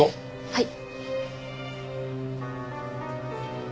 はい。